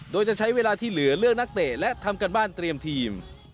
โดยจะใช้เวลาที่เหลือเลือกนักเตะและทำการบ้านเตรียมทีม